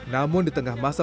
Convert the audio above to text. namun di tengah masalah